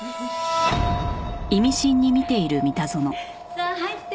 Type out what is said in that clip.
さあ入って。